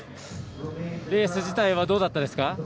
レース自体はどうだったですか。